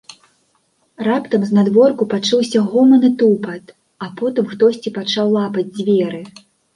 Раптам знадворку пачуўся гоман і тупат, а потым хтосьці пачаў лапаць дзверы.